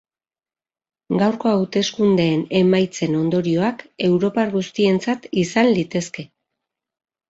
Gaurko hauteskundeen emaitzen ondorioak europar guztientzat izan litezke.